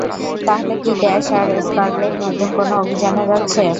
তাহলে কি ড্যাশ আর স্কারলেট নতুন কোনও অভিযানে যাচ্ছে?